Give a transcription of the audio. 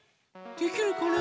できるかな？